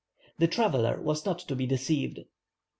The traveller was not to be deceived.